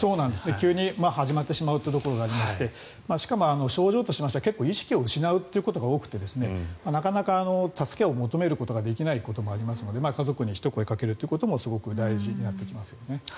急に始まってしまうというところがありましてしかも、症状としては結構、意識を失うことが多くてなかなか助けを求めることができないこともありますので家族にひと声かけるということもすごく大事になってきますね。